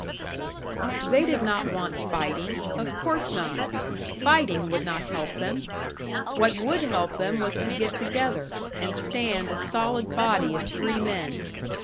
They did not want fighting of course not! Fighting would not help them! What would help them was to get together, and stand a solid body of free men.